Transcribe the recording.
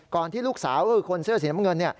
ที่ลูกสาวคือคนเสื้อสีน้ำเงิน